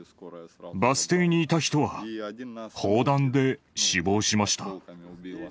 バス停にいた人は、砲弾で死亡しました。